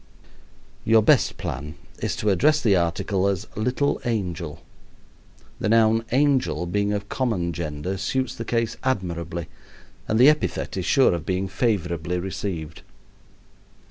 Your best plan is to address the article as "little angel." The noun "angel" being of common gender suits the case admirably, and the epithet is sure of being favorably received.